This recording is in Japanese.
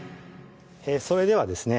それではですね